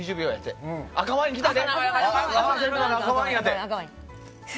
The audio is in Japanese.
赤ワイン、来たで。